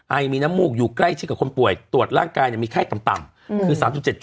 ไอมีน้ำมูกอยู่ใกล้ชิดกับคนป่วยตรวจร่างกายมีไข้ต่ำคือ๓๗๗